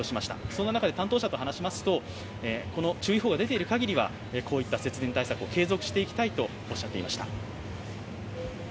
その中で、担当者と話しますと注意報が出ているかぎりはこういった節電対策を継続していきたいとおっしゃっていました。